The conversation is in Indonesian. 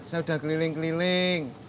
saya udah keliling keliling